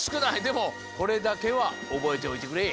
でもこれだけはおぼえておいてくれ！